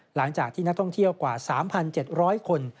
หลังจากที่นักท่องเที่ยวกว่า๓๗๐๐คน